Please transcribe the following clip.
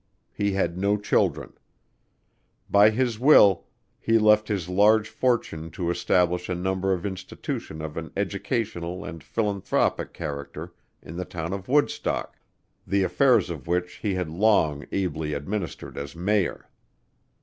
He had no children. By his will he left his large fortune to establish a number of institutions of an educational and philanthropic character in the town of Woodstock, the affairs of which he had long ably administered as mayor.